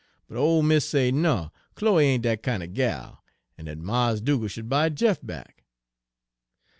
But ole mis' say, no, Chloe ain' dat kin'er gal, en dat Mars' Dugal' sh'd buy Jeff back.